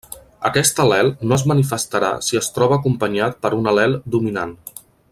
Aquest al·lel no es manifestarà si es troba acompanyat per un al·lel dominant.